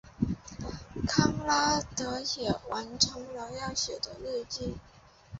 康拉德也完成了要写的日记。